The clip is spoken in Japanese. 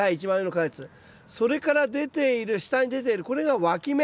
それから出ている下に出ているこれがわき芽。